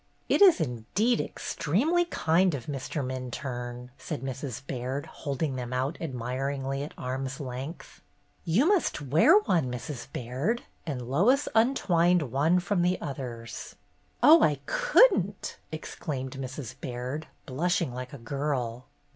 CHRISTMAS EVE 259 is indeed extremely kind of Mr. Min turne/' said Mrs. Baird, holding them out admiringly at arm's length. "You must wear one, Mrs. Baird," and Lois untwined one from the others. "Oh, I couldn't!" exclaimed Mrs. Baird, blushing like a girl.